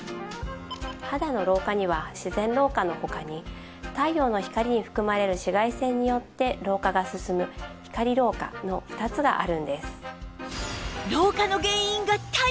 肌の老化には「自然老化」の他に太陽の光に含まれる紫外線によって老化が進む「光老化」の２つがあるんです。